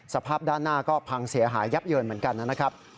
สภาพด้านหน้าก็พังเสียหายยับเยินเหมือนกันนะครับ